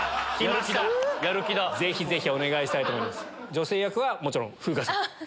女性役はもちろん風花さん。